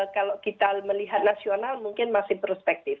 kalau kita melihat nasional mungkin masih prospektif